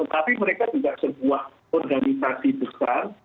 tapi mereka juga sebuah organisasi besar